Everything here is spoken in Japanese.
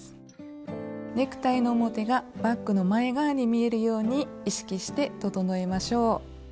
ネクタイの表がバッグの前側に見えるように意識して整えましょう。